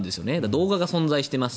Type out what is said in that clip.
動画が存在しています